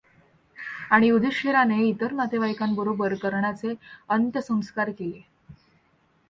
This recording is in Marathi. आणि युधिष्ठिराने इतर नातेवाइकांबरोबर कर्णाचे अंत्यसंस्कार केले.